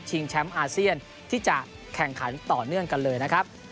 แชมป์อาเซียนที่จะแข่งขันต่อเนื่องกันเลยนะครับ